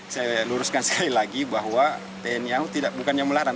saya luruskan sekali lagi bahwa tni au bukannya melarang